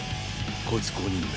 こいつ５人目。